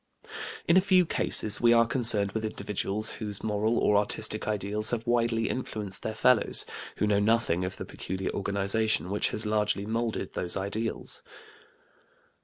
In a few cases we are concerned with individuals whose moral or artistic ideals have widely influenced their fellows, who know nothing of the peculiar organization which has largely molded those ideals.